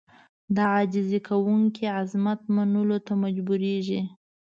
د عاجزي کوونکي عظمت منلو ته مجبورېږي.